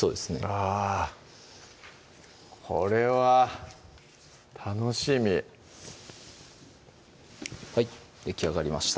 あぁこれは楽しみはいできあがりました